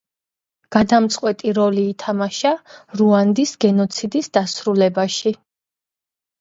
გადამწყვეტი როლი ითამაშა რუანდის გენოციდის დასრულებაში.